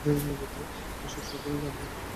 এই সড়কে সব ধরনের যানবাহন চলাচল করে।